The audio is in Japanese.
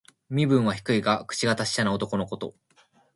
身分は低いが、口が達者な男のこと。